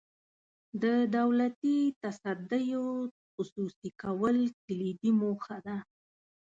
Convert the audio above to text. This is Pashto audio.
د دولتي تصدیو خصوصي کول کلیدي موخه ده.